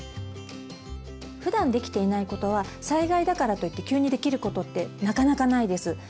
ふだんできていないことは災害だからといって急にできることってなかなかないです。